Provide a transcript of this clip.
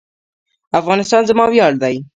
افغانستان زما ویاړ دی